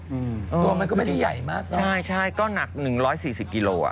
อืมหรือว่าไม่ก็ไม่ได้ใหญ่มากเนอะใช่ก็หนัก๑๔๐กิโล